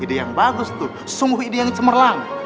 ide yang bagus tuh sungguh ide yang cemerlang